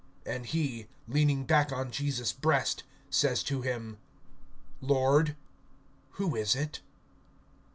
(25)And he, leaning back on Jesus' breast, says to him: Lord, who is it?